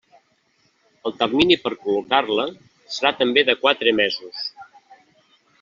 El termini per col·locar-la serà també de quatre mesos.